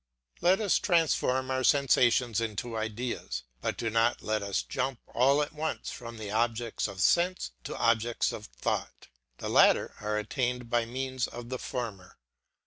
Let us transform our sensations into ideas, but do not let us jump all at once from the objects of sense to objects of thought. The latter are attained by means of the former.